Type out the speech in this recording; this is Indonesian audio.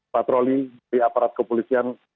patroli dari aparat kepolisian